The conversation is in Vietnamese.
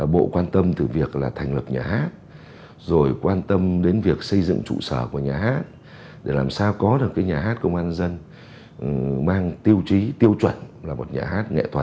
bộ quan tâm từ việc là thành lập nhà hát rồi quan tâm đến việc xây dựng trụ sở của nhà hát để làm sao có được cái nhà hát công an nhân dân mang tiêu chí tiêu chuẩn là một nhà hát nghệ thuật